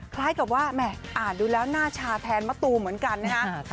คล้ายกับว่าแม่อ่านดูแล้วหน้าชาแทนมะตูมเหมือนกันนะฮะ